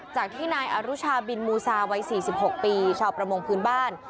จากที่นายอรุชาบินมูซาวัย๔๖ปีชาวประมงพื้นบ้าน